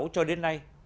cho đến nay